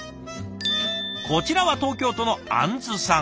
こちらは東京都のあんずさん。